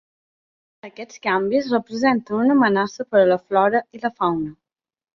Aquests canvis representen una amenaça per a la flora i la fauna.